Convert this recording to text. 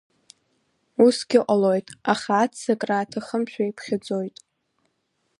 Усгьы ҟалоит, аха аццакра аҭахымшәа иԥхьаӡоит.